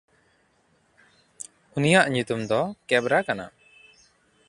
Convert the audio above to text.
ᱩᱱᱤᱭᱟᱜ ᱧᱩᱛᱩᱢ ᱫᱚ ᱠᱮᱵᱨᱟ ᱠᱟᱱᱟ᱾